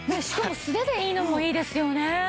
しかも素手でいいのもいいですよね。